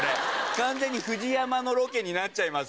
完全にＦＵＪＩＹＡＭＡのロケになっちゃいますから。